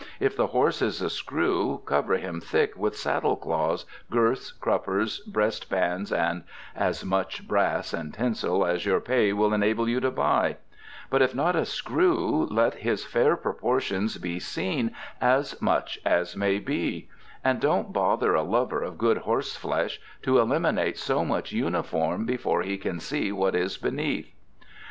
If the horse is a screw, cover him thick with saddle cloths, girths, cruppers, breast bands, and as much brass and tinsel as your pay will enable you to buy; but if not a screw, let his fair proportions be seen as much as may be, and don't bother a lover of good horseflesh to eliminate so much uniform before he can see what is beneath.